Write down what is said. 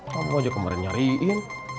kamu aja kemarin nyariin